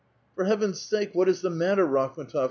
287 "For heaven's sake, what is the matter, Rakhm6tof